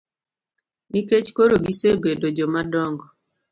Nikech koro gisebedo joma dongo.